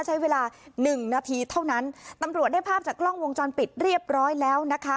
ใช้เวลาหนึ่งนาทีเท่านั้นตำรวจได้ภาพจากกล้องวงจรปิดเรียบร้อยแล้วนะคะ